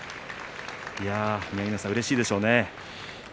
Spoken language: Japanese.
宮城野さん、うれしいでしょうね。